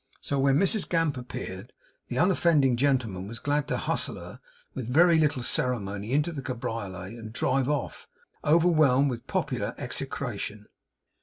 So when Mrs Gamp appeared, the unoffending gentleman was glad to hustle her with very little ceremony into the cabriolet, and drive off, overwhelmed with popular execration.